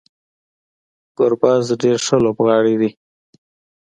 ګربز ډیر ښه لوبغاړی دی